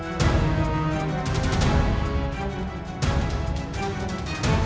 aku yang menghalangimu